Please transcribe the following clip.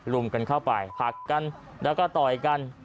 รุมกันเข้าไปผลักกันแล้วก็ต่อยกัน